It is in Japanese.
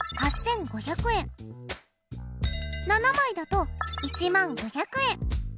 ７枚だと１０５００円。